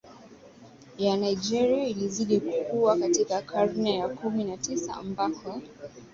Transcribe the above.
ya Nigeria ilizidi kukua katika karne ya kumi na Tisa ambako